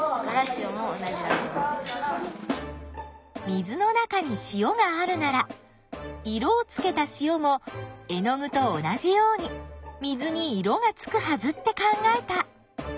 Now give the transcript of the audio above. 水の中に塩があるなら色をつけた塩も絵の具と同じように水に色がつくはずって考えた。